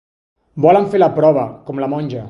Volen fer la prova, com la monja.